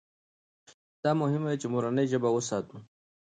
دا مهمه ده چې مورنۍ ژبه وساتو.